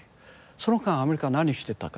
その間アメリカは何してたか。